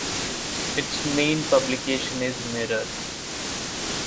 Its main publication is "Mirror".